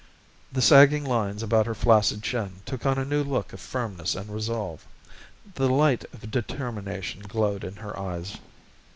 The sagging lines about her flaccid chin took on a new look of firmness and resolve. The light of determination glowed in her eyes.